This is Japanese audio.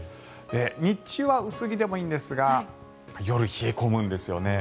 日中は薄着でもいいんですが夜、冷え込むんですよね。